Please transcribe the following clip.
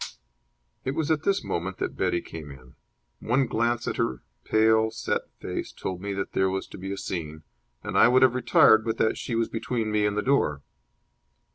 It was at this moment that Betty came in. One glance at her pale, set face told me that there was to be a scene, and I would have retired, but that she was between me and the door.